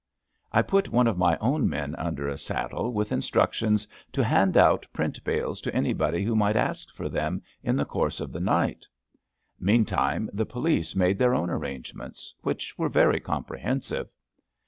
I put one of my own men under a saddle with instructions to hand out print bales to anybody who might ask for them in the course of the night. A SMOKE OF MANILA 29 Meantime the police made their own arrange ments, which were very comprehensive.